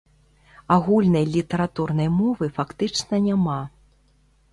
Агульнай літаратурнай мовы фактычна няма.